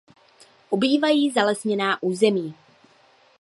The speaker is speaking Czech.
Obývají zalesněná území.